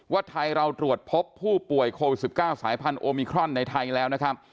ไทยเราตรวจพบผู้ป่วยโควิด๑๙สายพันธุมิครอนในไทยแล้วนะครับ